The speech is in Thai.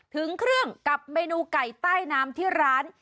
ถึงเครื่องกับเมนูไก่ใต้น้ำที่ร้าน